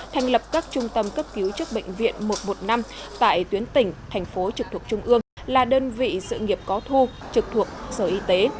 thành lập các trung tâm cấp cứu chức bệnh viện một trăm một mươi năm tại tuyến tỉnh thành phố trực thuộc trung ương là đơn vị sự nghiệp có thu trực thuộc sở y tế